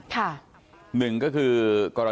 ค่ะหนึ่งก็คือคลิปค่าขวดแกรม